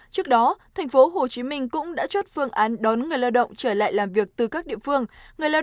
trước đó tp hcm cũng đã chốt phương án đón người lao động trở lại làm việc từ các địa phương